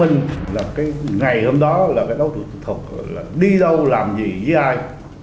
xét nghiệm là cái ngày hôm đó là cái đối tượng thuật đi đâu làm gì với ai